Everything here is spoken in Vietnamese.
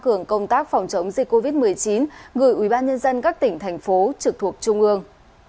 cường công tác phòng chống dịch covid một mươi chín gửi ubnd các tỉnh thành phố trực thuộc trung ương